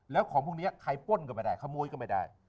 แล้วของพวกนี้ใครป้นก็ไม่ได้ขโมยก็ไม่ได้